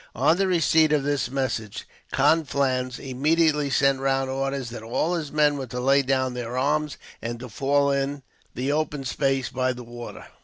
On the receipt of this message, Conflans immediately sent round orders that all his men were to lay down their arms, and to fall in, in the open space by the water.